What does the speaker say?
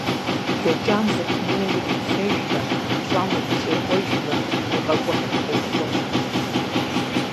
БлэкӀам зэпымыууэ уриплъэжрэ, пщӀам ухущӀегъуэжмэ, уи къэкӀуэнур пхуэухуэнукъым.